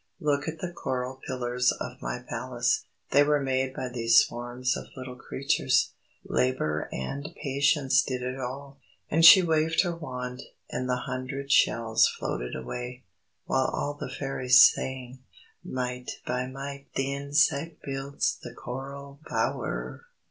Look at the coral pillars of my palace. They were made by these swarms of little creatures. Labour and patience did it all." And she waved her wand, and the hundred shells floated away, while all the Fairies sang: "_Mite by mite the insect builds the coral bower!